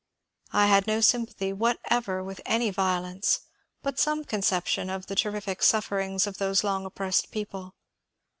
I had no sympathy whatever with any vio lence, but some conception of the terrific sufferings of those long oppressed people.